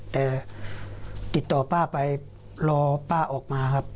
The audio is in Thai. แต่ติดต่อป้าไปรอป้าออกมาครับ